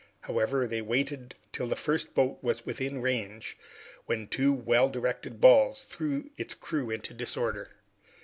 However, they waited till the first boat was within range, when two well directed balls threw its crew into disorder.